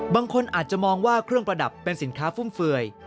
บางคนอาจจะมองว่าเครื่องประดับเป็นสินค้าฟุ่มเฟื่อย